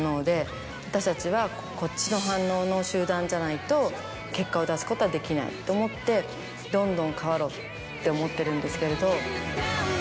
私たちはこっちの反応の集団じゃないと結果を出すことはできないと思ってどんどん変わろうって思ってるんですけれど。